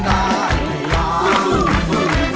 ได้